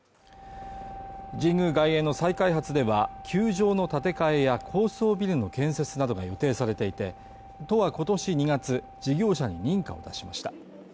神宮外苑の再開発では、球場の建て替えや高層ビルの建設などが予定されていて、都は今年２月、事業者に認可を出しました。